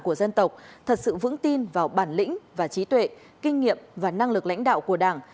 của dân tộc thật sự vững tin vào bản lĩnh và trí tuệ kinh nghiệm và năng lực lãnh đạo của đảng